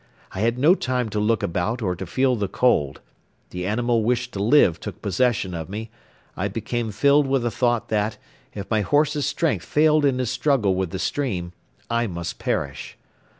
I had no time to look about or to feel the cold. The animal wish to live took possession of me; I became filled with the thought that, if my horse's strength failed in his struggle with the stream, I must perish.